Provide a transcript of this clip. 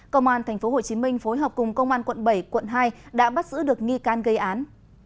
công an tp hcm phối hợp cùng công an quận bảy quận hai đã bắt giữ được nghi can gây án